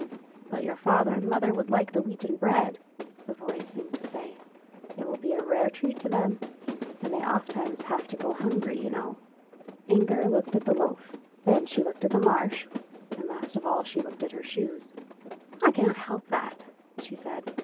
But your father and mother would like the wheaten bread," a voice seemed to say. ''It will be a rare treat to them; and they ofttimes have to go hungry, you know." Inger looked at the loaf, then she looked [ 23 ] FAVORITE FAIRY TALES RETOLD at the marsh, and last of all she looked at her shoes. " I cannot help that," she said.